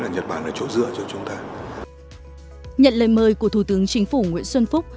nhận lời mời của thủ tướng chính phủ nguyễn xuân phúc